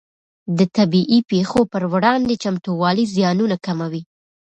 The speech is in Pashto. د طبیعي پېښو پر وړاندې چمتووالی زیانونه کموي.